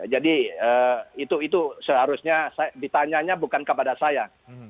jadi itu seharusnya ditanyanya bukan kepada saya